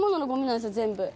全部。